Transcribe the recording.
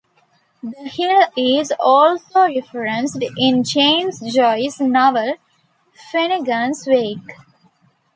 The hill is also referenced in James Joyce's novel "Finnegans Wake".